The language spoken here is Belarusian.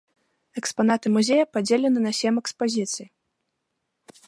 Экспанаты музея падзелены на сем экспазіцый.